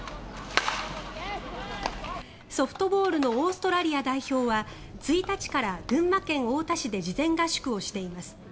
ソフトボールのオーストラリア代表は１日から群馬県太田市で事前合宿をしています。